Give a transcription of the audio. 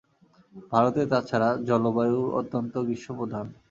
ভারতে তা ছাড়া, জলবায়ু অত্যন্ত গ্রীষ্মপ্রধান।